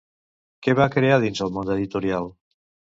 Què va crear dins el món editorial?